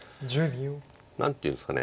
何というんですか。